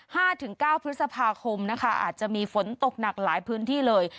ถึงเก้าพฤษภาคมนะคะอาจจะมีฝนตกหนักหลายพื้นที่เลย